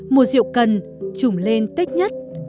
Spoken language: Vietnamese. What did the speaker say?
mùa rượu cần trùm lên tết nhất